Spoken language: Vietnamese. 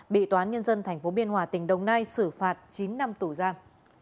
bị toán nhân dân tp biên hòa tỉnh đồng nai xử phạt chín năm tù giam